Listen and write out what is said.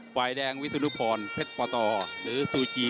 ไฟแดงวิทยุพรเผ็ดประตอหรือซูจิ